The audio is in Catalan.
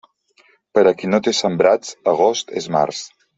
Per a qui no té sembrats, agost és març.